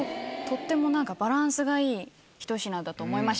とっても何かバランスがいいひと品だと思いました。